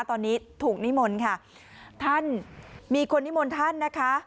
ตอนนี้ถูกนิมนต์ค่ะท่านมีคนนิมนต์ท่านนะคะ